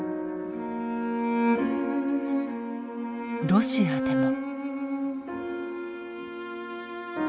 ロシアでも。